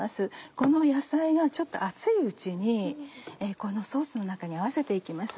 この野菜が熱いうちにこのソースの中に合わせて行きます。